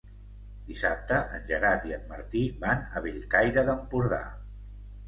Dissabte en Gerard i en Martí van a Bellcaire d'Empordà.